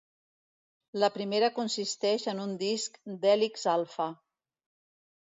La primera consisteix en un disc d'hèlix alfa.